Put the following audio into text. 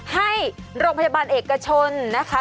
ให้โรงพยาบาลเอกชนนะคะ